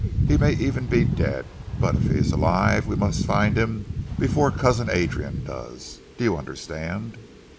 He may even be dead, but if he is alive we must find him before Cousin Adrian does. Do you understand?"